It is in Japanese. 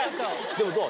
でもどう？